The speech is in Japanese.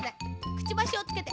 くちばしをつけて。